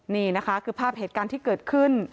นี่นะคะคือภาพเหตุการณ์ที่เกิดขึ้น